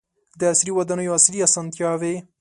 • د عصري ودانیو عصري اسانتیاوې.